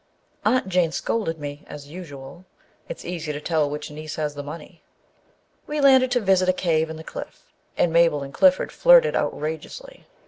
Aunt Jane scolded me, as usual: it's easy to tell which niece has the money. We landed to visit a cave in the cliff, and Mabel and Clifford flirted outrageously.